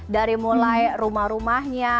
dari mulai rumah rumahnya